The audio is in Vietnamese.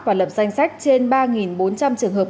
và lập danh sách trên ba bốn trăm linh trường hợp